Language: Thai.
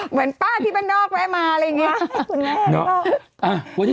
เหมือนป้าที่บ้านนอกแวะมาอะไรอย่างนี้